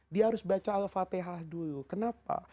dia harus baca al fatihah dulu kenapa